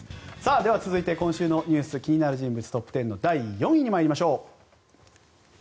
では、続いて今週の気になる人物トップ１０の第４位に参りましょう。